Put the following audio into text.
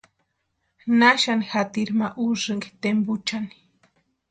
¿Naxani jatiri ma úsïnki tempuchani?